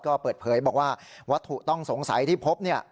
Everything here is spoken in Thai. ก็เปิดเผยบอกว่าวัตถุต้องสงสัยที่พบเนี่ย